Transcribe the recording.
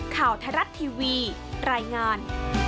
ข่าวไทยรัฐทีวีรายงาน